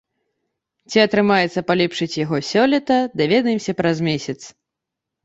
Ці атрымаецца палепшыць яго сёлета, даведаемся праз месяц.